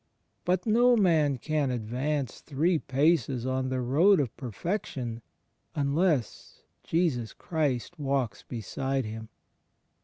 But no man can advance three paces on the road of per fection unless Jesus Christ walks beside him.